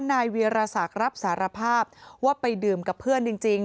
นายเวียรศักดิ์รับสารภาพว่าไปดื่มกับเพื่อนจริง